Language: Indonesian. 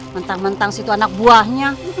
mentang mentang situ anak buahnya